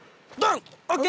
ＯＫ！